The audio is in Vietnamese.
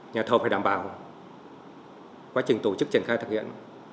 nhà thầu phải đảm bảo quá trình tổ chức triển khai thực hiện